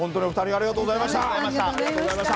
ありがとうございます。